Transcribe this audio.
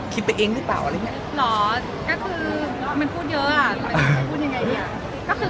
คุณรอให้เขาเข้ามาคุมเด็กไหม